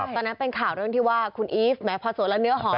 ตอนนั้นเป็นข่าวเรื่องที่ว่าคุณอีฟแม้พอสวดแล้วเนื้อหอม